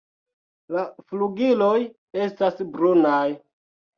La flugiloj estas brunaj.